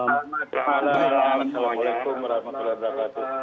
assalamualaikum wr wb